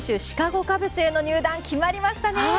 シカゴ・カブスへの入団が決まりましたね。